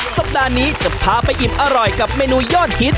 สัปดาห์นี้จะพาไปอิ่มอร่อยกับเมนูยอดฮิต